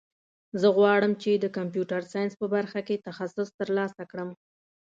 زه غواړم چې د کمپیوټر ساینس په برخه کې تخصص ترلاسه کړم